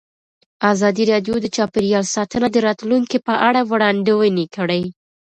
ازادي راډیو د چاپیریال ساتنه د راتلونکې په اړه وړاندوینې کړې.